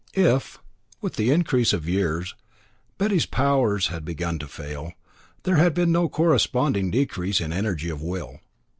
If, with increase of years, Betty's powers had begun to fail, there had been no corresponding decrease in energy of will.